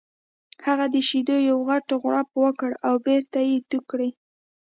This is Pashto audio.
هغه د شیدو یو غټ غوړپ وکړ او بېرته یې تو کړ